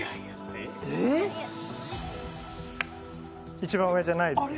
一番上じゃないですね。